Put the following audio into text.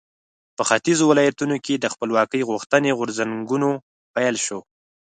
په ختیځو ولایاتو کې د خپلواکۍ غوښتنې غورځنګونو پیل شو.